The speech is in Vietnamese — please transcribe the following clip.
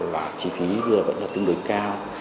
và chi phí vẫn là tương đối cao